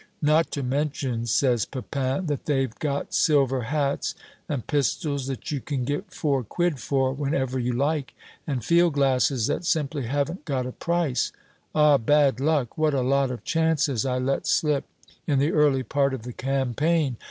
"Not to mention," says Pepin, "that they've got silver hats, and pistols that you can get four quid for whenever you like, and field glasses that simply haven't got a price. Ah, bad luck, what a lot of chances I let slip in the early part of the campaign!